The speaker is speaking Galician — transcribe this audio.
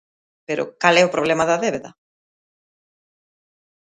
Pero, ¿cal é o problema da débeda?